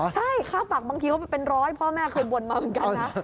ใช่ค่าฝักบางทีเขาเป็นร้อยพ่อแม่เคยบ่นมาเหมือนกันนะ